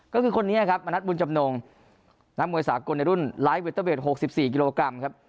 ก็คือคนนี้ครับมณัฐบุญจำนงนักมวยสากลในรุ่นไลฟ์เวเตอร์เวท๖๔กิโลกรัมครับ